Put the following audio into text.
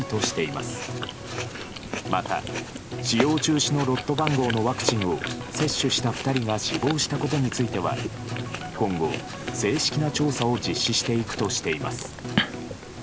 また、使用中止のロット番号のワクチンを接種した２人が死亡したことについては今後、正式な調査を実施していくとしています。